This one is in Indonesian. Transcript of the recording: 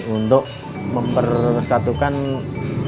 untuk mempersatukan katakanlah kita dan kita sendiri